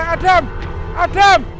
hai adam adam